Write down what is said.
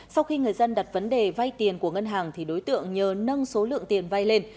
sau khi người dân đặt vấn đề vay tiền của ngân hàng thì đối tượng nhờ nâng số lượng tiền vay lên